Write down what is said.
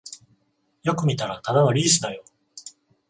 よく見たらただのリースだよ